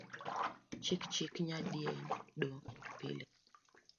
Chik chik nya diendo pile